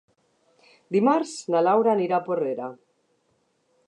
Dimarts na Laura anirà a Porrera.